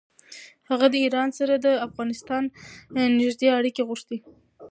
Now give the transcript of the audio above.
هغه د ایران سره د افغانستان نېږدې اړیکې غوښتې.